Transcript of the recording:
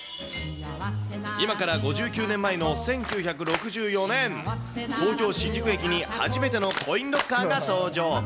今から５９年前の１９６４年、東京・新宿駅に初めてのコインロッカーが登場。